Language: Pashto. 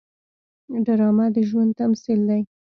ډرامه د ژوند تمثیل دی